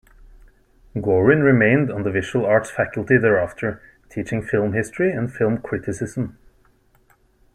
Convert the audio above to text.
Gorin remained on the Visual Arts faculty thereafter, teaching film history and film criticism.